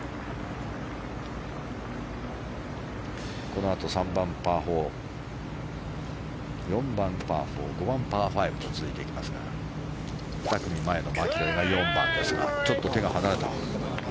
このあと３番、パー４４番、パー４５番、パー５と続いていきますが２組前のマキロイが４番ですがちょっと手が離れた。